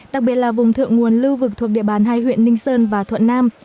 đặc biệt là vùng thượng nguồn lưu vực thuộc địa bàn hai huyện ninh sơn và thuận nam